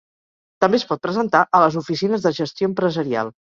També es pot presentar a les oficines de gestió empresarial.